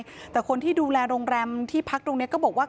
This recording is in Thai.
ก็เขาคิดว่ามีเท่าไรนะแต่ถึงก็จดแล้ว